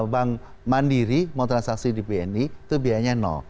bank mandiri mau transaksi di bni itu biayanya